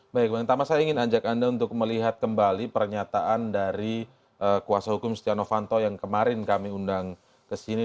baik bang pertama saya ingin ajak anda untuk melihat kembali pernyataan dari kuasa hukum stiano fanto yang kemarin kami undang kesini